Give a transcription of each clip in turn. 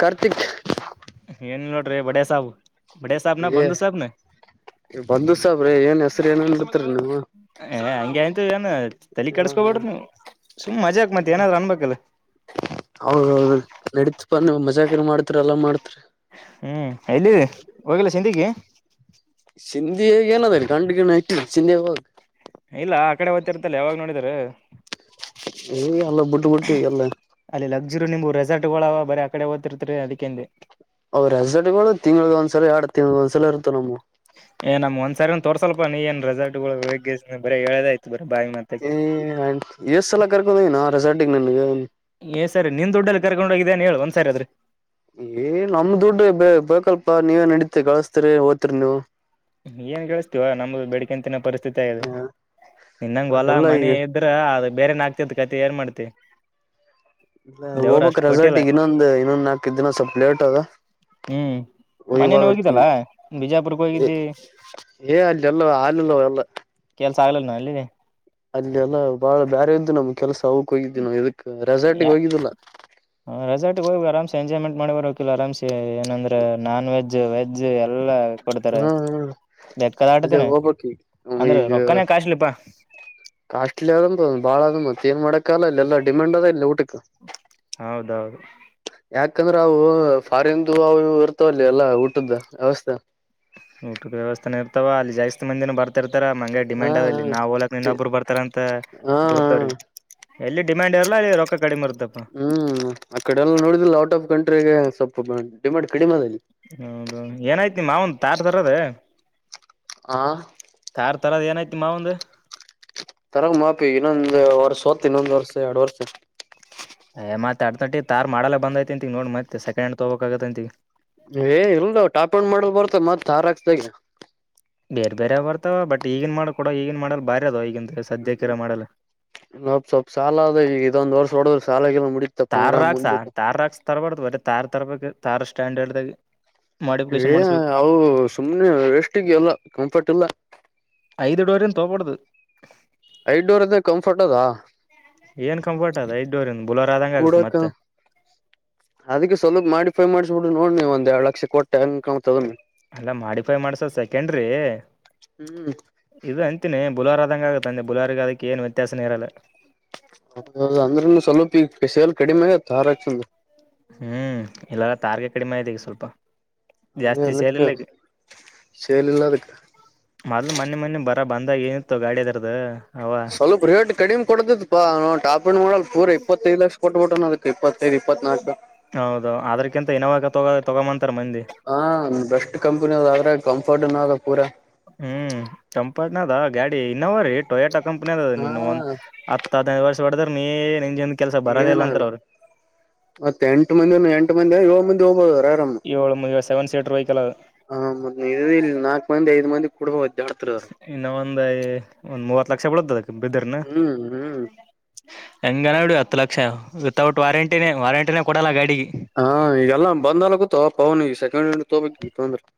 ಕಾರ್ತಿಕ್ ಏನ್ ನೋಡ್ರಿ ಬಡ ಸಾಹ ಬಡ ಸಾಹಬ್ನ ಏ ಬಧೂ ಸಾಹಬ್ನ ಬಂಧು ಸಾಬ್ರೆ ಏನ್ ಹೆಸರು ಏನನ್ ಬಿಡ್ತರಿ ನೀವು ಸಮಗೆ ಏನ ತಲಿ ಹಾ ಹಾ ಕೆಿಸಸ್ಕೊಬೇಡ್ರ ನೀ ಸು್ಜಾ ಆಕ್ ಮತ್ತತ್ ಏನಾದ್ರು ಅನ್ಬೇಕಲ್ಲ ಹೌದೌ ನಡಿತ ಬ ಮಜಾಕರ ಮಾಡ್ತರಿ ಎಲ್ಲ ಮಾಡ್ತ್ರಿ ಹ್ಮ್ ಎಲ್ಲಿ ಹೋಗಲ್ಲ ಚಂಡಗಿ ಸಿಂಧಿಯಾಗ ಏನದ ಗಂಡ ಗನ ಇಟ್ಟ ಸಿಧಿಯಾಗ ಹೋಗ ಇಲ್ಲ ಆ ಕಡೆ ಓ್ತಿರ್ತಲ್ಲ ಯಾವಾಗ ನೋಡಿದಾರ ಏ ಎಲ್ಲ ಬುಡ್ಟ್ಟ ಬುಟ್ಟಿ ಅಲ್ಲ ರು ನಿಮ್ ರೆಸಾರಟ್ ಗಳ ಬರ ಆಡೆಓದ್ತಿರ್ತರಿ ಅದಕಂದು ಅವ್ರ ರೆಸಲ್ಟ್ಗಳು ತಿಂಗಳಗ ಒಂದ್ಸಲ ಎರಡ್ ತಿಂಗಳಗ ಒಂದ್ಸಲ ಇರ್ತಾವ ನಮ್ಮ ಏ ನಮ್ ಒಂದ್ ಸರಿನ್ ತೋರ್ಸಲ್ಪ ನೀ ಏನ್ ರೆಲ್ ಗಳು ಬರ ಹೇಳದಯ್ತ್ ಏ ಎಸ್ ಎಲ್ಲ ಕರ್ಕದನ ರೆಸಾರ್ಟಿಿಗೆ ನನ್ಗೆ ಏ್ ಸರಿ ನಿನ್್ ದುಡ್ಡಲ್ಲಿ ಕರ್ಕೊಂಡು ಹೋಗಿದೆ ಅಏ ಹ ಹೇಳಳ್ ಒಂದ್ ಸರಿ ಆದ್ರೆ ಏ್ ನಮ ದುಡ್ಡು ಬ ಬೇಕಲ್ಪ ನೀವೇ ನಡೀತಿೀರಿ ಕಳಸ್ತರಿ ಓದ್ತಿರಿ ನೀವು ಏನ್ ಕೇಿಸಸ್ತಿೀವ ನಮ್ದು ಬೆಳಿಕಂತಿನ ಪರಿಸ್ಥಿತಿ ದೆ ನಿನ್ನಂಗ ಹೊಲಾ ಅಲ್ಲೆಲ್ಲಾ ಮನೆ ಈಗ ಇದ್ರ ಅದ ಬೇರೆನ ಆಗ್ತದ ಕತೆ ಏನ್ ಮಾಡ್ತೆ ಇ ಹೋಗಬಕ್ ರೆಸಾರ್ಟಿಗ್ ಇನ್ನೊಂದ್ ಇನ್ನೊಂದ್ ನಾಲ್ಕು ಇದ ದಿನ ಸ್ವಲ್ಪ ಲೇಟ್ ಅದ ಹ್ಮ್ ಹೋಗಿ ಮನೇನ್ ಬರ್ಬೇಕಿ ಹೋಗಿದ್ದಲ್ಲಾ ಬಿಜಾಪುರಕ್ಕೆ ಹೋಗಿದ್ದಿ ಏ ಅಲ್ಲಿ ಎಲ್ಲ ಹಾಲಲ್ಲವ ಎಲ್ಲ ಚಲ ನ ಅಲ್ಲಿ ಅಲ್ಲಿ ಅಲ್ಲ ಬಾಳ ಬ್ಯರೆೆಯ್ದು ನಮ್ ಕೆಲಸ ತೌಕ್ ಹೋಗಿದ್ದೀ ನ ಇದಕ್ ರೆಸಾರ್ಟಿಗೆ ಹೋಗಿದ್ದಿಲ್ಲ ರೆಸಾರ್ಟ್ಗೆ ಹೋಗಿ ಆರಾಮ್ಸೆ ಎಂಜಾಯ್ಮೆಂಟ್ ಮಾಡಿ ಬರಕಿಲ್ಲ ಆರಾಮ್ಸಿ ಏನಂದ್ರೆ ನಾನ್ ವೆಜ್ ವೆಜ್ ಎಲ್ಲಾ ಕೊಡ್ತಾರೆ ಹ್ಮ್ ಹ್ಮ್ ಬೆಕ್ಕದ ಅದೇ ಆಟತಿನ ಹೋಗ್ಬೇಕ್ ಈಗ ಅಂದ್ರ ಈಗ ರೊಕ್ಕಾನ ಕಶ್ಲಿಪಾ ಕಾಸ್ಟ್ಲಿ ಅದಂತ ಬಾಳ ಅದ ಮತ್ತ ಏನ್ ಮಾಡಕ ಅಲ್ಲ ಡಿಮಾಂಡ್ ಅದ ಇಲ್ಲ ಊಟ ಹೌದೌದು ಯಾಕಂದ್ರೆ ಅವು ಫಾರಿನ್ದು ಅವು ಇರ್ತಾವಲ್ಲ ಎಲ್ಲಾ ಊಟದ ವ್ಯವಸ್ಥೆ ಊಟ್ರ ವ್ಯವಸ್ಥೆ ಇರ್ತವ ಅಲ್ಲಿ ಜಾಸ್ತಿ ಮಂದಿನ ಬರ್ತ ಇರ್ತರ ಮಂಗಗೆ ಹಾ ಡಿಮ್ಯಾಂಡ್ ಅದಲ್ಲಿ ನಾವ್ ಓಲಕ್ ಇನ್ನೊಬ್ಬರು ಬರ್ತಾರ ಅಂತ ಹಾ ಹಾ ಗುರ್ದವ್ರಿ ಎಲ್ಲಿ ಡಿಮ್ಯಾಂಡ್ ಇರ್ಲ್ಲ ಅಲ್ಲಿ ರೊಕ್ಕ ಕಡಿಮೆ ಇರ್ತ್ತಪ್ಪ ಹ್ಮ್ ಆ ಕಡೆ ಎಲ್ಲ ನೋಿದ್ರ ಔಟ್ ಆಫ್ ಕಂಟ್ರಿಗೆ ಸ ಸ್ೊಪ್ಪಪ ಬಿ ಹೌದ ಏನಾಯ್ತಿ ಮಾವನ್ ತಾರ ತರದ ಆ ಕಾರಾರ್ ತರದ ಏನಐ್ತಿ ಮಾವಂದ ತರಂಗ ಮಾಪಿ ಇನ್ನೊಂದು ವರ್ಷ ಹತ್ತು ಇನ್ನೊಂದ್ ವರ್ಷ ಎರಡು ವರ್ಷ ್ತ್ತತ್ ಅಡ್ತ ನಟಿ ತಾರ್ ಮಾಡಲ್ಲ ಬಂದೈಐತಿ ಅಂತಿಗ ನೋಡ್ ಮತ್ತೆ ಸೆಕಂಡ್ ಹಂಡ್ ತಗೋಬೇಕ ಆಗತ್ತ ಅಂತಿಗ ಏ ಇಲ್ದ ಟಾಪಣ್ ಮಾಡಲ್ ಬರ್ತ ಮತ್ತ್ ಹಾರಾಕ್ತಾಗ ಬೇರ್ ಬೇರೆ ಅವ್ ಬರ್ತವ ಬಟ್ ಈಗನ್ ಮಾಡ ಕೊಡ ಈಗನ್ ಮಾಡಲ್ ಬಾರಿ ಅದ ಈಗಿಂತ ಹ್ಮ ನ ಸ್ವಲ್ಪ ಸಾಲ ಅ ಈಗ ಇದೊಂದ್ ವರ್ಷ ಹೊಡದ್ರ ಸಾಲಾಗಿಲ್ಲ [unintelligible] ಅಂದ್ರ ತಾರ್ ರಾಕ್ಸ್ ಮುಂದೆ [unintelligible] ತಾರ್ ರಾಕ್ಸ್ ತರಬಾರ್ದು ಬ ತಾರ್ ತರಬೇಕು ತಾರ್ ಸ್ಟ್ಯಾಂಡ್ ಹೇಳ್ದಾಗ ಏ ಅವು ಸುಮ್ನೆ ಎಷ್ಟಿಗೆ ಅಲ್ಲ ಕಂಫರ್ಟ್ ಇಲ್ಲ ತೋಪಡದು [unintelligible] ಐದ ಡೋರ್ ಕಂಫರ್ಟ್ ಅದಾ ಏನ್ ಕಂಫರ್ಟ್ ಅದ ಐದು ಡೋರ್ ಬುಲೋರ್ ಆದಂಗ ಆಗ್ತ ಕೂಡಕ ಮತ್ತೆ ಫೈ ಮಾಡ್ಬಿಡು ನೋಡ್ ನೀ ಒಂದ ಎರಡು ಲಕ್ಷ ಕೊಟ್ಟ ಹಂಗ ಕಾಣ್ತದ ಅಲ್ಲ ಮಾಡಿಫೈ ಮಾಡ್ಸದ ಸೆಕೆಂಡ್ರಿ ಹ್ಮ್ ಇದು ಅಂತನಿ ಬುಲೂರ ಆದಂಗ ಆಗುತ್ತೆ ಅಂದ ಬುಲೂರ ಅದಕ್ಕೆ ಏನು ವ್ಯತ್ಯಾಸನ ಇರಲ್ಲ ಹೌದು ಅಂದ್ರನು ಸ್ವಲ್ಪ ಈಗಸಲ್ ಕಡಿಮೆ ತಾರಾಕ್ ಚಂದ ಹ್ಮ್ ಇಲ್ಲಲ್ಲ ತಾರ್ಗೆ ಕಡಿಮೆ ಇದದೆ ಈಗ ಸ್ವಲ್ಪ ಅದೇ ಜಾಸ್ತಿ ಅದಕ್ಕ ಸೇರ ಸೇಲ್ ಇಲ್ಲ ಅದಕ್ ಮೊದ್ಲು ಮನ್ನ ಮೊನ್ನೆ ಬ [unintelligible] ಅರ ಬಂದಾಗ ಏನಿತ್ತು ಗಾಡಿ ಅದರದ ಸ್ವಲ್ಪ ರೇಟ್ ಕಡಿಮೆ ಕೊಡತತ್ ಪಾ ನ ಟಾಪಿಂಡ್ ಮಾಡಲ್ ಪೂರಾ ಇಪ್ಪತ್ತೈದು ಲಕ್ಷ [unintelligible] ಕೊಟ್ಬಟ ನಡತ್ತೆ ಇಪ್ಪತ್ತೈದು ಇಪತ್ನಾಲಕು [unintelligible] ಹೌದ ಅದ್ರಕಿಂತ ಇನೋವಾಗ ತಗ ತಗೊಂತ ಹ ಬೆಸ್ಟ್ ಕಂಪನಿ ಅದ ಆದ್ರೆ ಕಂಫರ್ಟ್ನು ಪೂರಾ ಹ್ಮ್ ಚಂಪಟ್ [unintelligible] ದ ಗಾಡಿ ಇನ್ನವ ರೀ ಟೊಯಟ ಕಂಪ್ನಿ ಅದದ ಹಾ ನೀನು ಒಂದ್ ಹದಿನೈದು ವರ್ಷ ಹೊಡದ್ರ ನೀ ನಿನ್ಜೊಂದ ಕೆಲ್ಸ ಬರದೇ ಇಲ್ಲ ಅಂತಾರ ಅವ್ರರಿ ಮತ್ತೆ ಎಂಟು ಮಂದಿ ಎಂಟು ಮಂದಿ ಏ ಮಂದಿ ಹೋಗ್ಬಹದ ಆರಾಮ ಥೇಟರ್ ವೈಕಲ್ [unintelligible] ಹ ಮ ಇಲ್ಲಿ ನಾಲ್ಕ ಮಂದಿ ಐದ್ ಮಂದಿ ಕುಡ ಹದಾಡ್ತ ಅವ್ರ ಒಂದ ಒಂದ್ ಮೂವ ಲಕ್ಷ ಬಳದದ [unintelligible] ಬಧರನ ಹ್ಮ್ ಹ್ಮ್ ಎಂಗನ ಎಡು ಹತ್ತು ಲಕ್ಷ ಆ [unintelligible] ವಿತೌಟ್ ವಾರಂಟ ವಾರಂಟಿ ಕೊಡಲ್ಲ ಗಾಡಿ ಹಾ ಈಗೆಲ್ಲ ಬಂದಲ್ ಗೊತ್ತ ಪವನ್ ಈ ಸೆಕೆಂಡ್ ಹೆಂಡ್ ತೋ [unintelligible]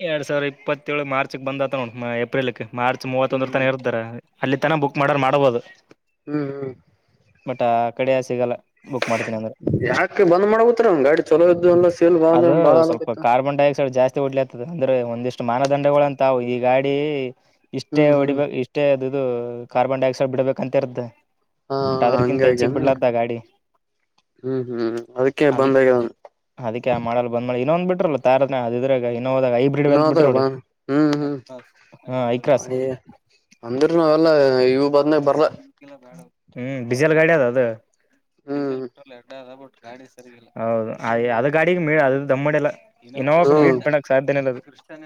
ಎರಡ್ ಸಾವಿರದ ಇಪ್ಪತ್ತೇಳು ಮಾರ್ಚ್ಕ್ ಬಂದತ ನೋ ಏಪ್ರಿಲ್ಕ್ ಮಾರ್ಚ್ ಹ್ಮ್ ಮೂವತ್ತೊಂದ್ರ ತನ ಇರ್ತಾರ ಅಲ್ಲಿ ತನ ಬುಕ್ ಮಾಡಾರ ಮಾಡ್ಬೋದು ಹ್ಮ್ ಹ್ಮ್ ಬಟ್ ಆ ಕಡೆಯ ಸಿಗಲ್ಲ ಬುಕ್ ಮಾಡ್ತೀನಿ ಅಂದ್ರೆ ಯಾಕೆ ಬಂದ್ ಮಾಡಕೂತ್ರ ಅವ್ ಗಾಡಿ ಚಲೋ ಇದ್ದು ಎಲ್ಲ ಸೇಲ್ ಬಾಳ ಅದು ಬಾಳ ಸ್ವಲ್ಪ ಆಲಕತ್ತ ಕಾರ್ಬನ್ ಡೈಆಕ್ಸೈಡ್ ಜಾಸ್ತಿ ಡ್ಲ ಆಗ್ತದ ಅಂದ್ರೆ ಒಂದಿಷ್ಟು ಮಾನದಂಡಗಳು ಅಂತವು ಈ ಗಾಡಿ ಇಷ್ಟೇ ಹ್ಮ್ ಹ್ಮ್ ಹೊಡಿಬೇಕ ಇಷ್ಟೇ ಕಾರ್ಬನ್ ಡೈ ಆಕ್ಸೈಡ್ ಬಿಡ್ಬೇಕಂತಿರತ ಹಾ ಬಟ್ ಅದ್ರಕಿಂತ ಹೆಚ್ಚಗ್ ಹಂಗಾಗ್ಯಾನ ಬಿಡ್ಲತ್ತ ಗಾಡಿ ಹ್ಮ್ ಹ್ಮ್ ಅದಕ್ಕೆ ಅದಿಕ್ ಬಂದಾಗ್ಯ ಅದಿಕ್ಕೆ ಆ ಮಾಡಲ್ ಬಂದ್ [unintelligible] ಳೆ ಇನ್ನೊ ಒಂದ ಬಿಟ್ರಲ್ಲ [unintelligible] ದ್ರೆ ನೋದಾಗ ಹೈಬ್ರಿಡ್ ಅಂತ ಇನೋದ ಬಿಟ್ರೋ ಬ ಹ್ಮ್ ಹ ಐ ಕ್ರಾಸ್ ಹ್ಮ್ ಅಂದ್ರ ನಾವೆಲ್ಲ ಇ [unintelligible] ಹ್ಮ ಡೀಜೆಲ್ ಗಾಡಿ ಅದ ಅದು ಹ್ಮ್ [unintelligible] ಗಡಿ ಸರಿಯಿಲ್ಲ ಹೌದು ಅದು ಗಾಡಿಗೆ ಮೇಡ ಅದು ದಮ್ಮಡಿ ಎಲ್ಲ ಇನೋವಾಕ ಹ್ಮ್ ಬೀಡ್ ಬಣಕ್ ಸಾಧ್ಯನ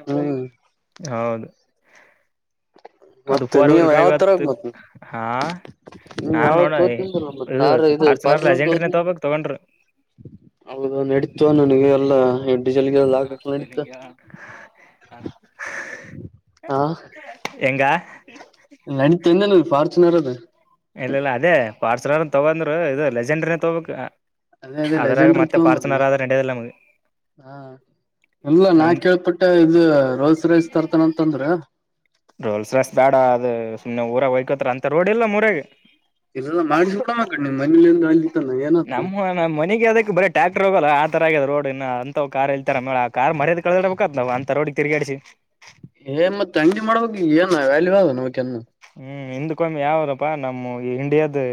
ಹ್ಮ್ ಹೌದು ಅದು ಮತ್ತೆ ಫೋರ್ ವ್ಹೀಲ್ ನೀವ್ ಯಾವ ತರ ಡ್ರೈವ್ತ ಮತ್ ಹಾ [unintelligible] ನೀವ್ ನಾನ್ ಯಾವ್ದ ನೋಡ ತೋತನಿಂದ್ರ ಮತ್ ತಾರ ಇದು ಪಾರ್ಸನರ್ ಲಜೆಂಡ್ರನ ತಗಬಕ್ ತಗೊಂಡರು ಹೌದು ನಡತು ನನಗೆ ಎಲ್ಲಾ ಡಿಸೆಲ್ಗೆಲ್ಲ ಹಾ ಹಾಕಕ್ ನಡೀತ ಸ್ಪೆಲಿಂಗ ಹ ಎಂಗ [unintelligible] ನಡೀತಂದ ಫಾರ್ಚುನರ್ ಅದು ಇಲ್ಲ ಇಲ್ಲ ಅದೇ ಪಾರ್ಸರ್ನ್ ತಗಂದ್ರು ಇದು ಲೆಜೆಂಡ್ರನ ತಗೋಬೇಕ ಅದೇ ಅದೇ ಲೆಜೆಂಡ್ರ ತೊಂಬದನ ನಡೆಯದಿಲ್ಲ ನಮಗೆ ಹಾ [unintelligible] ಇಲ್ಲ ನಾ ನಿನ್ ಕೇಳ್ಪಟ್ಟ ಇದು ರೋಲ್ಸ್ ರೋಸ್ ತರ್ತಾನ ಅಂತಂದ್ರ ರೋಲ್ಸ್ ರೋಸ್ ಬೇಡ ಅದು ಸುಮ್ನೆ ಊರಾಗ ಹೊಯ್ಕೋತ್ತ್ರ ಅಂತ ರೋಡ್ ಇಲ್ಲ ಊರಗೆ ಇಲ್ಲಲ್ಲ ಮಾಡಿಸ ಬೀಡ ಆಕಡೇ ಮನಿಲಿಂದ ಅಲ್ಲಿತ್ತಲ್ಲ ಏನ್ ಆಯತ್ತ? [unintelligible] ಬರೇ ಟ್ಯಾಕ್ಟರ್ ಹೋಗಲ್ಲ ಆತರ ಆಗೈದ ರೋಡ್ ಇನ್ ಅಂತ ಕಾರ್ ಹಿಡಿತ್ತಾರ ಆ ಮೇಲ್ ಕಾರ್ ಮರ್ಯಾದಿ ಕಳದಡಬೇಕ್ ಅತ್ತಲಾವ್ ಅಂತ ರೋಡ್ ತಿರುಗ್ಯಾಡಸಿ. [unintelligible] ಜಿ [unintelligible] ಏ ಮತ್ತ ಅಂಗಡಿ ಮಾಡ್ಬೇಕ ಏನ್ ವ್ಯಾಲ್ಯೂ ಆದವ ಅದ್ಕೆ ಏನ್? [unintelligible] ಹಿ ಹಿಂದ್ಕಮ್ಮಿ ಯಾವಾರಪ್ಪಾ ನಮ್ಮವ್ವ ಇಂಡಿಯಾದ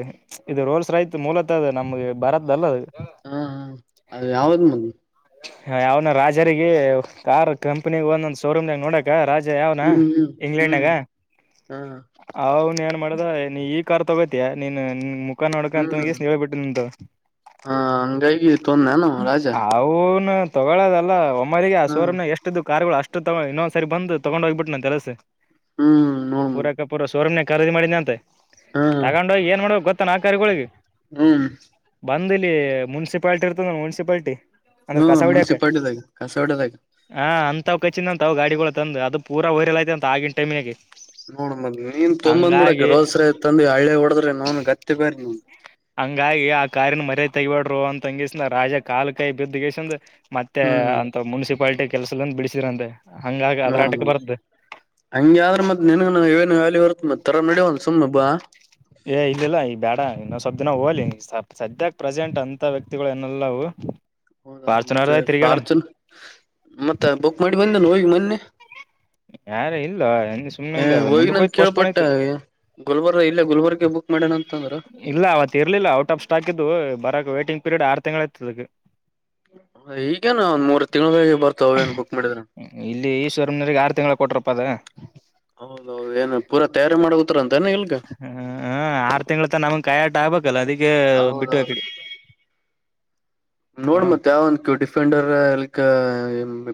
ಇದು ರೋಲ್ಸ್ ರೈತ ಮೂಲತ ಅದ ನಮಗ ಭಾರತದ ಅಲ್ಲ ಅದ [unintelligible] ಹಾ ಹಾ ಅದ ಯಾವ್ದ್ ಮತ್ ಹ್ಯಾ ಯಾವನ ರಾಜರಿಗೆ ಕಾರ್ ಕಂಪನಿ ಒಂದೊಂದ್ ಶೋರೂಮ್ ನ್ಯಾಗ ನೋಡಕ ರಾಜ [unintelligible] ಏ ಯಾವಾವನ ಹ್ಮ್ ಹ್ಮ್ ಇಂಗ್ಲೆಂಡ್ಆಗ ಹ್ಮ್ ಹಾ ಅವನು ಏನ್ ಮಾಡದ [unintelligible] ನೀ ಈ ಕಾರ್ ತೊಗೋತಿಯಾ ನೀನ್ ನಿಮು [unintelligible] ಮುಖ ನೋಡಕ ಅಂತ ಹ್ಮ್ ಹೋಗಿಸ್ ಹೇಳ್ಬಿಟ್ಟು ನಿಂತವ ಹ ಹಂಗಾಗಿ [unintelligible] ತೊಂದಾನು ರಾಜ ಅವುನು ತಗೊಳ್ಳದಲ್ಲ ಒಮ್ಮಿರಿಗೆ ಆ ಹ ಶೋರೂಮ್ ಎಷ್ಟ ದು [unintelligible] ಕಾರ್ಗಳು ಅಷ್ಟು ತೊಗೊ ಇನ್ನೊಂದ್ಸರಿ ಬಂದು ತೊಗೊಂಡ್ ಹೋಗ್ಬಿಟ್ಟು ನನ್ನ ತೆರಸ ಹ್ಮ್ ನೋಡ್ ಮದ್ ಪೂರಕ ಪೂರ ಶೋರೂಮ್ [unintelligible] ಖರೀದಿ ಮಾಡಿದನ ಅಂತ ಹ ತಗೊಂಡೋಗಿ ಏನ್ ಮಾಡ್ಬೇಕ ಗೊತ್ತ ಏನ್ ಆ ಕರಿಗಳಿಗೆ. [unintelligible] ಹು [unintelligible] ಬಂದ ಇಲ್ಲಿ ಮುನ್ಸಿಪ್ಯಾಟಿ ಇರ್ತದ ಮುನ್ಸಿಪ್ಯಾಟಿ. [unintelligible] ಅದರ ಹ್ಮ್ ಕಸಾ ಹೊಡಿಯಕ ಮುನ್ಸಿಪಾಲ್ಟಿದಾಗ ಕಸವಡದಾಗ ಹಾ ಅಂತ [unintelligible] ತಪ್ಪ ಕಚ್ಚಿನ ಅಂತ ಅವ ಗಾಡಿಗಳು ತಂದ ಅದ ಪೂರ ವೈರಲ್ ಐತ ಅಂತ ಆಗಿನ ಟೈಮ್ ನ್ಯಾಗ [unintelligible] ನೋಡ್ ಮತ್ತ ನೀನ್ ತೊಂಬೊಂದ್ ಬಿಡಕ್ ರೋಲ್ಸ್ರ ತಂದಿ ಹಳ್ಳಿ ಹೊಡದ್ರೆ ನೋ ಗತ್ತಿ ಬೇರೆ [unintelligible] ಹಂಗಾಗಿ ಆ ಕಾರಿನ ಮರ್ಯಾದಿ ತೆಗಿಬ್ಯಾಡ್ರೋ ಅಂತಂಗಿಸರಾ ರಾಜ ಕಾಲು ಕೈ ಕೈ ಬಿದ್ದಗೆಸಂದ. [unintelligible] ಮತ್ತೆ ಹ್ಮ್ ಅಂತ ಮುನ್ಸಿಪ್ಯಾಟಿ ಕೆಲಸ ದಿಂದ ಬಿಳಸಿದ್ರಂತೆ. [unintelligible] ನೋಡ ಹಂಗ ಆದ್ರ ಮತ್ತ ನೀನಗ ನಾನ್ ಹೇಳೆನ ಯಾರಿಗ? [unintelligible] ಏ ಇದ ಇಲ್ಲಾ ಈ ಬೇಡ ಇನಸ [unintelligible] ಸ್ವಲ್ಪ ದಿನ ಓಲಿ ಸದ್ಯಕ ಪ್ರೆಸೆಂಟ್ ಅಂತ ವ್ಯಕ್ತಿಗಳು ನೆಲ್ಲವು [unintelligible] ಹೌದಾ ಮತ್ತೆ ಫಾರ್ಚುನ್ ಮತ್ತ ಬುಕ್ ಮಾಡಿ ಬಂದಲ್ಲ ಹೋಗಿ ಮೊನ್ನೆ. [unintelligible] ಯಾರ ಇಲ್ಲೂ ಹೆಂಗ ಸುಮ್ನೆ ಏ ಇಂಗ್ ಮುಂದಕ್ಕ ಹೋಗಿನಂತ ಹೋಗಿ ಪೋಸ್ಟ್ ಕೇಳ್ಪಟ್ಟ ಪನಕ್ಕ [unintelligible] ಗುಲ್ಬರ್ಗ ಇಲ್ಲೇ ಗುಲ್ಬರ್ಗ ಬುಕ್ ಮಾಡ್ಯಣ ಅಂತಂದ್ರ ಇಲ್ಲ ಅವತ್ತ ಇರ್ಲಿಲ್ಲ ಔಟ್ ಆಫ್ ಸ್ಟಾಕ್ ಇದ್ದವು ಬರಕ್ ವೇಟ್ [unintelligible] ಟಿಂಗ್ ಪೀರಡ್ ಆರು ತಿಂಗಳ ಆಯತದ ಅದಕ್ಕ. [unintelligible] ಈಗೇನ ಒಂದ ಮೂರು ತಿಂಗಳ ಗಳಗೆ ಬರ್ತ ಅವ ಏನ್ ಬುಕ್ ಮಾಡಿದ್ರ. [unintelligible] ಕೊಟರಪ್ಪ ಅದ? [unintelligible] ಹೌದ ಅವ ಏನು ಪೂರಾ ತಯಾರಿ ಮಾಡಬೇಕ್ [unintelligible] ಹ ಹ ಆರು ತಿಂಗಳ ತನ ನಮ್ಮಗ ಕಾಯಕ್ ಆಗ್ಬೇಕಲ್ಲ ಅದಕ್ಕೆ ಬಿಟ್ಟುವೆ ಅಕಡಿ [unintelligible] ನೋಡ್ ಮತ್ತ ಯಾವಂದ್ ಕ ಡಿಫೆಂಡರ್ [unintelligible] ಇಲ್ಕ್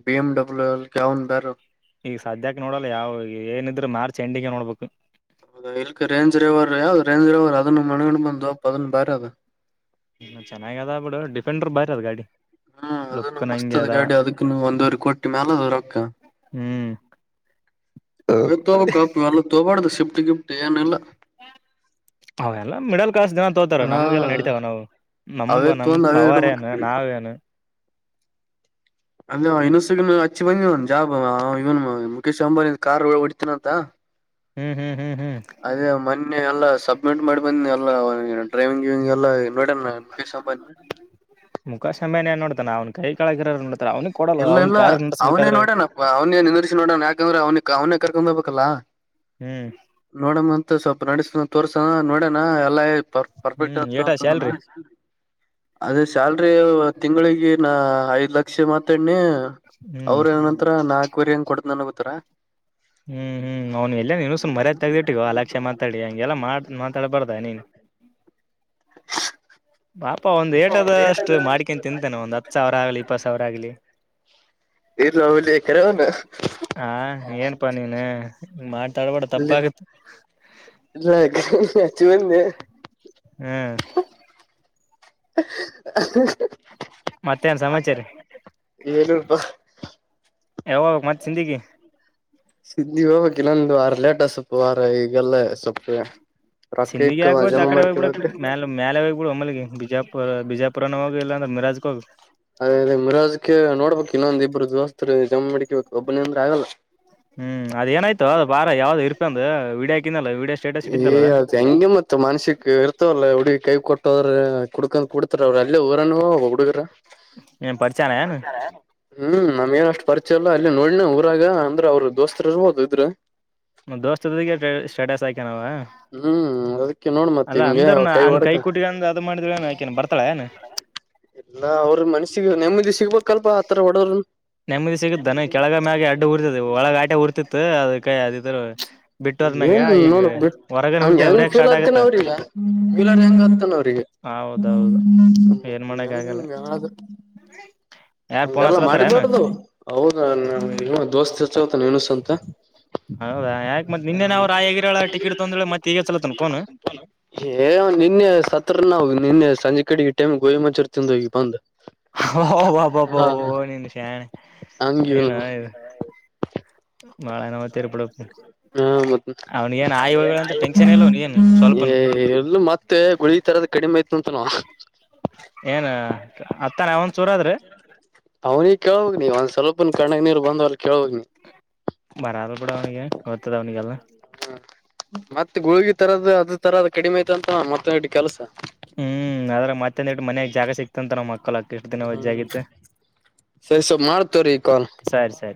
ಬಿ ಎಮ್ ಡಬ್ಲ್ಯೂ ಯಾವನ್ ಕಾರು? [unintelligible] ಈಗ ಸದ್ಯಕ್ಕೆ ನೋಡಲ್ಲ ಯಾವ ಏನಿದರೂ ಮಾರ್ಚ್ ಎಂಡಿಂಗ್ ನೋಡ್ಬೇಕ. [unintelligible] ನಿಲ್ಲಕ್ ರಂಜ ರೈವರ್ ಯಾವ ರೇಂಜ್ ರೈವರ್ ಅದನ್ನು ಮನೆಗೊಂಡ ಬಂದುವಪ್ಪಾ. ಅದ ಬೇರೆ ಅದ [unintelligible] ಚೆನ್ನಾಗ ಅದ ಬಿಡ ಡಿಫೆಂಡರ್ ಬಾರಿ ಅದ್ ಗಾಡಿ. [unintelligible] ಹೂ ಅದನ್ನು ಲುಕ್ ಮಸ್ತ್ ನಂಗೆ ಅದ ಗಾಡಿ ಅದಕ್ಕನು ಒಂದುವರೆ ಕೋಟಿ ಮ್ಯಾಲ ಅದ ರೊಕ್ಕ. ಹ್ಮ್ [unintelligible] ಅದಕ್ಕ ತೋಗೋಬೇಕ್ ಕಪ್ಪ ಮೇಲ್ಲಕ ತೋಬಾಡ್ದು ಶಿಪಟ್ಟಿ ಗಿಫ್ಟ್ ಏನಲ್ಲ? [unintelligible] ಅವ ಎಲ್ಲಾ ಮೀಡಲ್ [unintelligible] ಕ್ಲಾಸ್ ಜನಾ ತೋತಾರ ಹಾ ನಮ್ಗೆಲ್ಲ ನಡತೇವ ಏನ್ ಅವ್ವ ಅವೇ ನಮವ ನಮ್ಮ ತೊಂದ್ ಅವೇ ಪವಾರ್ ಇಡ್ಬೇಕ್ ಏನು ಅಲ್ಲೇ ನಾವೇನ [unintelligible] ಅಲ್ಲ ಯವ್ವ ಇನ್ನೊಸಗ ಹಚ್ಚಿ ಬಂದವನ್ ಜಾಬ್ ಅವ ಇವನ್ ಮುಖೇಶ್ ಅಂಬಾನಿ ಕಾರ್ ಗಳು ಹೊಡತನ ಅಂದಾ? [unintelligible] ಹ್ಮ್ ಹ್ಮ್ ಹ್ಮ್ ಹ್ಮ್ ಅದೇ ಮೊನ್ನೆ ಎಲ್ಲಾ ಸಬ್ಮಿಟ್ ಮಾಡಿ ಬಂದ ಎಲ್ಲ ಡ್ರೈವಿಂಗ್ [unintelligible] ಇವನ ಎಲ್ಲ ನೋಡಣ್ಣ ಮುಖೇಶ್ ಅಂಬಾನಿ. [unintelligible] ಮುಖಾಶ್ ಅಂಬಾನಿ ಏನ್ ನೋಡ್ತಾನ ಅವ್ನ್ ಕೈ ಕೆಳಗಿರೋ ನೋಡ್ತಾರ ಅವ್ನಿಗೆ ಕೊಡಲ್ಲ ಇಲ್ಲ ಅವ್ನ್ ಇಲ್ಲ ಕಾರ್ ಅವನೇ ನಡ್ಸ್ಬೇಕಾದ್ರೆ ನೋಡೇಣ ಅವನ [unintelligible] ಇಲ್ಲೇ ನಂದರಸಿ ನೋಡಣ ಯಾಕಂದ್ರ ಅವನಿಗೆ ಅವ್ನ ಕರ್ಕೊಂಡ ಹೋಗಬೇಕಲ್ಲ. [unintelligible] ಹು [unintelligible] ಮತ್ತ ಸ್ವಲ್ಪ ನಡಸತನ ತೋರ್ಸೋನಾ ನೋಡಣ ಎಲ್ಲಾ ಹೇಳ್ [unintelligible] ಪರ ಪರ್ಫೆಕ್ಟ್ ಹ್ಮ್ ಅಂತು ಏಟಾ ಅಂತಾನಾ ಸ್ಯಾಲ್ರಿ ಅಲ್ಲಾ ಅದೇ ಸಿ [unintelligible] ಸ್ಯಾಲ್ರಿ ತಿಂಗಳಿಗೆ ನಾ ಐದ್ ಲಕ್ಷ ಮಾತಾನೀ [unintelligible] ಹ್ಮ್ ಅವ್ರ ಏನಂತ್ರ ನಾಲ್ಕುವರೆ ಹಂಗ್ ಕೊಡತ್ತನನ ಅನತ್ತಾರ. [unintelligible] ಹ್ಮ್ ಹ್ಮ್ ಅವ್ನು ಎಲ್ಲ ನೀನು ಸುಮ್ ಮರ್ಯಾದ ತೆಗ್ದಿಟ್ಟಿಗೋ ಅಲಕ್ಷ ಮಾತಾಡಿ ಹಂಗೆಲ್ಲ ಮಾಡ್ ಮಾತಾಡ್ಬಾರ್ದ ನೀನ್ [unintelligible] ಪಾಪ ಒಂದ್ ಏಟದಷ್ಟು ಮಾಡ್ಿಕೇನ್ ತಿಂತೇನೆ ಒಂದ್ ಹತ್ತು ಸಾವಿರ ಆಗ್ಲಿ ಇಪ್ಪ ಸಾವಿರ ಆಗ್ಲಿ ಇಲಲವುಲೇ ಕರಿ ಅವನ್ ಹಾ ಏನ್ಪ ನೀನ್ ಮಾತಾಡ್ಬೇಡ ತಪ್ಪಾಗತ್ ಇ ಅಚವನ್ ಹ್ಮ್ ಮತ್ತೇನ್ ಸಮಾಚಾರ ಏನು ವ ಯಾವಾಗ ಮತ್ತ ಚಿಂದಗ ಸಿದ್ದಿ ಹೋಗ ಕೆ ಇನ್ನೊಂದು ವಾರ ಲೇಟ ಸೊಪ್ಪು ವಾರ ಈಗಲ್ಲೇ ಸೊಪ್ಪೇ ಸಿಿಂದಗ ಆಗತ್ ಆ ಕಡೆ ಹೋಗಿಬಡ ಮೇ ಮೇಲೆ ಹೋಗ್ಬ ಬಿಡ ಮಮ್ಮ ಬಿಜಾಪುರ್ ಬಿಜಾಪುರನ ಹೋಗ ಇಾಂದ್ರ ಯಿಮರಜ ಹೋಗು ಅದೇ ಅದೇ ಮರಾಜಕ್ಕೆ ನೋಡ್ಬೇಕು ಇನ್ನೊಂದ ಇಬ್ರು ದೋಸ್ತ್ರು ಜಮ ಮಾಡಕಬೇಕ ಒಬ್ಬನ ಅಂದ್ರೆ ಆಗಲ್ಲ ಹ್ಮ್ ಅದ ಏನಾಯ್ತು ಅದ ಬಾರ ಯಾವ್ದ್ ಇರ್ಪ ಅಂದ ವಡಿಯಕಿಂದಲ್ಲ ವಡಿಯ ಸ್ಟೇಟಸ್ ಇಟ್ಟಿಂದದ ಮನಸಿಕ್ ಇರ್ತವಲ್ಲ ಹುಡುಗ ಕೈ ಕೊಟ್ಟ ಹಟ್ಟದ್ರ ಕುಡ್ಕೊಂಡ ಕುಡ್ತಾರ ಅವರು ಅಲ್ಲಿ ಹೋಗಗ್ರನು ಒ ಹುಡುಗರ ಏನ್ ಪರಿಚಯನ ಏನ್ ಹ್ಮ್ ನಮ್ ಏನ ಅಷ್ಟ್ ಪರಿಚಯ ಅಲ್ಲ ಅಲ್ಲಿ ನೋಡನ ಊರಾಗ ಅಂದ್ರೆ ಅವ್ರ ದೋಸ್ತ ಹೋ ಇದ್ರರು ನ ದೋಸ್ತಿಗೆ ಸ್ಟೇಟಸ್ ಆಯಕನಾವ ಹ್ಮ್ ಅದಕ್ಕೆ ನೋಡ್ ಮತ್ ಅಲ್ಲಾ ಹಿಂಗೆ ಅಂದ್ರನ ಹಂಗ ಕೈ ಹೊಡ್ಕ ಕುಟಿಗಂದ ಅದ ಮಾಡಿದ್ರನ ಯಾಕನ್ ಬರ್ತಾಳ ಏನ ನಾ ಅವ್ರ ಮನಸ್ಸಿಗೆ ನೆಮ್ಮದಿ ಸಿಗ್ಬೇಕಲ್ಪಾ ಆತರ ಹೊಡೋ್ರನ್ [inaudible] ನೆಮ್ಮದಿ ಸಿಗುತ್ತಾನ ಕೆಳಗ ಮ್ಯಾಗ ಅಡ್ಡ ಉರಿತದ ಒಳಗ ಆಟೆ ಉರ್ತಿತ್ತು ಅದ ಕೈ ಅದಿದ್ರ ಬಿಟ್ಟು ಹೋದ್ಮ್ಯಾಗ ಏನ್ ಈಗ ನೋಡ ಬಿಟ್ಟ ಹೊರಗನ್ ಹಂಗ ಉರಿತ ಹೆಂಗ್ ಉರಿಯಕ್ ಫೀಲ್ ಸ್ಟಾರ್ಟ್ ಆತೇನ ಆಗತ್ತ ಅವ್ರಲ್ಲಲ್ ಹೆಂಗ ಆತ ಹೌದೌದು ಏನ್ ಮತ್ತೆ ಮಾಡಕ್ ಹೆಂಗ ಆಗಲ್ಲ ಹಂಗ ಆದ ಯಾರ್ ಫೋನ್ ಹಂಗಲ್ಲ ಹಚ್ಲತ್ತಾರ ಏನ್ ಮಾಡಿಬಾರಡ್ದು ಹೌದ ದೋಸ್ತ್ಚ್ಚತ ನಿನುಸ ಅಂತ ಹೌದಾ ಯಾಕ್ ಮತ್ ನಿನ್ನೆ ನಾವ್ ರಾಯಗಿರಳ ಟಿಕೆಟ್ ತೊಂದ್ರೆ ಮತ್ ಈಗ ಹಚ್ಲತನ ಫೋನ್ ಹೇಯಾಪ್ ನಿನ್ನೆ ಸತ್ರ ನ ನಿನ್ನೆ ಸಂಜೆ ಕಡೆಗೆ ಟೈಮ್ ಗೋಯಿಮಚೂರ್ ತಿಿಂದ ಹೋಗಿ ಬಂದ ವಾ ವ ವ ಓ ನೀ ನಿಶೇನ್ ಹಂಗಿವ್ ಏನುದು ಹ್ಮ ಮತ್ತ ಅವ್ನಿಗ ಏನ್ ಆಯಿ ಹೋಗಳ ಅಂತ ಟೆನ್ಷನ್ ಇಲ್ಲ ಅವ್ನಿಗೇನ್ ಸ್ವಲ್ಪನು ಎಲ್ಲೂ ಮತ್ತೆ ಗುಳಿ ತರದ ಕಡಿಮೆ ಆಯತ ಅಂತನ ಏನ್ ಅತ್ತಾನ ಅವಂದ್ ಚೂರಾದ್ರೆ ಅವನ ಕೋಗ ನೀನ್ಸಲ ಇಪ್ಪನ್ ಕಣ್ಣಗ್ ನೀರು ಬಂದವಲ್ಲ ಕೇಳೋಗ್ ನೀ ಅಡ ಅವನಿಗೆ ವತ್ತದ ಅವನಿಗೆಲ್ಲ ಹ್ಮ ಮತ್ತೆ ಗುಳಗಿ ತರದ ಅದ ತರದ ಕಡಿಮೆ ಆಯ್ತ ಅಂತ ಮತ್ತಡಿ ಕೆಲಸ ಹ್ಮ್ ಆದದ್ರೆ ಮತ್ತಂದ ಇಟ್ಟು ಮನ್ಯಾಗ ಜಾಗ ಸಿಕ್ತಂತ ನಮ್ಮ ಮಕ್ಕಳ ಅಕ್ಕ ಎಷ್ಟು ದಿನ ವಜ್ಜ ಆಗಿತ್ತು ಸ ಸೊ ಮಾಡ್ತೇ್ರೀ ಈ ಕಾಲ್ ಸರಿ ಸರಿ